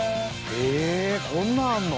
ええこんなあんの？